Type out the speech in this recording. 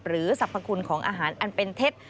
สรรพคุณของอาหารอันเป็นเท็จ